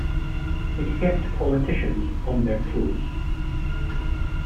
It kept politicians on their toes.